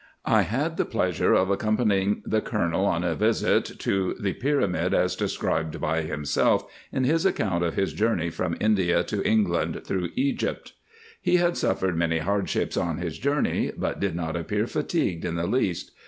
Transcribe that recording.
I had the pleasure of accompanying the Colonel in a visit to the o o 282 RESEARCHES AND OPERATIONS, &c. pyramid, as described by himself in his account of his journey from India to England through Egypt. He had suffered many hardships on his journey, but did not appear fatigued in the least.